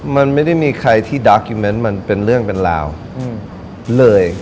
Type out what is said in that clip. มันไม่ได้มีใครที่ดักอีเมนต์มันเป็นเรื่องเป็นราวเลย